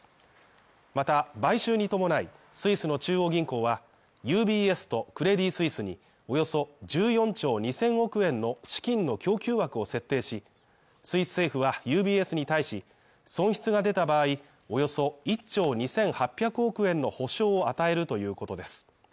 また、買収に伴い、スイスの中央銀行はＵＢＳとクレディ・スイスにおよそ１４兆２０００億円の資金の供給枠を設定し、スイス政府は、ＵＢＳに対し、損失が出た場合、およそ１兆２８００億円の補償を与えるということです。